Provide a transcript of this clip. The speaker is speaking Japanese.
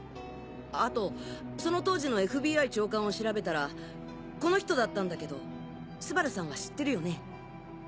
あとその当時のＦＢＩ長官を調べたらこの人だったんだけど昴さんは知ってるよね？